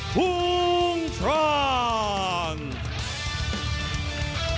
ฮุงทรานด์